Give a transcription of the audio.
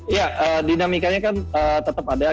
ya dinamikanya kan tetap ada